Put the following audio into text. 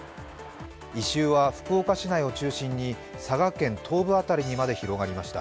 異臭は福岡市内を中心に佐賀県東部辺りにまで広がりました。